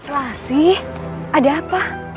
selasih ada apa